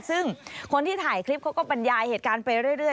ซึ่งคนที่ถ่ายคลิปเขาก็บรรยายเหตุการณ์ไปเรื่อย